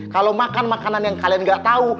kalau makan makanan yang kalian gak tau